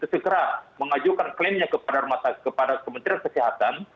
segera mengajukan klaimnya kepada kementerian kesehatan